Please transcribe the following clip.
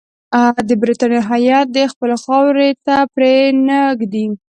د برټانیې هیات دي خپلو خاورې ته پرې نه ږدي.